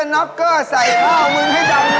ในรอตอรี่นี่